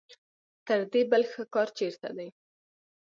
تر دې بل ښه کار چېرته دی.